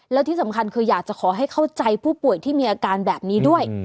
แล้วที่สำคัญคืออยากจะขอให้เข้าใจผู้ป่วยที่มีอาการแบบนี้ด้วย